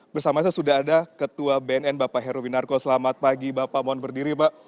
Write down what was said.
bersama saya sudah ada ketua bnn bapak heruwi narko selamat pagi bapak mohon berdiri